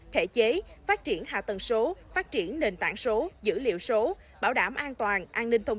thể chế phát triển hạ tầng số phát triển nền tảng số dữ liệu số bảo đảm an toàn an ninh thông